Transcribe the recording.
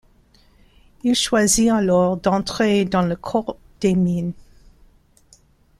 Il choisit alors d'entrer dans le Corps des mines.